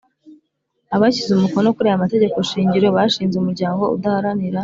Abashyize umukono kuri aya mategekoshingiro bashinze umuryango udaharanira